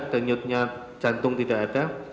denyutnya jantung tidak ada